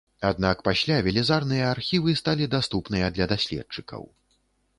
Аднак пасля велізарныя архівы сталі даступныя для даследчыкаў.